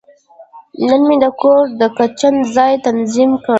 نن مې د کور د کچن ځای تنظیم کړ.